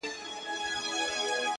خو بڼه يې بدله سوې ده